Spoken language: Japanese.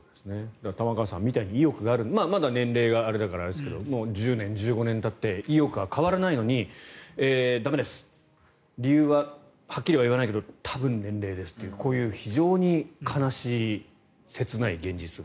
玉川さんみたいに意欲があるまだ年齢があれですけど１０年、１５年たって意欲は変わらないのに駄目です、理由ははっきりは言わないけど多分、年齢ですというこういう非常に悲しい、切ない現実が。